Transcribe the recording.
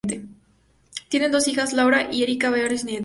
Tenían dos hijas, Laura y Erika, y varios nietos.